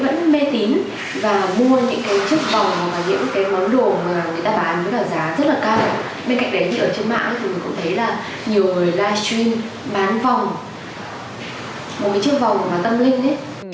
bên cạnh đấy thì ở trên mạng thì mình cũng thấy là nhiều người livestream bán vòng một cái chất vòng bán tâm linh